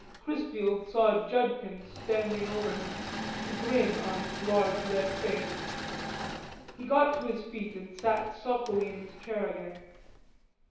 Chrisfield saw Judkins standing over him, a grin on his large red face. He got to his feet and sat sulkily in his chair again.